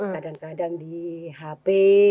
kadang kadang di hp